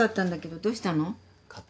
どうした？